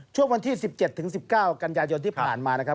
ช่วงวันที่๑๗๑๙กันยายนที่ผ่านมานะครับ